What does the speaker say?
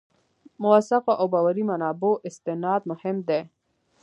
موثقو او باوري منابعو استناد مهم دی.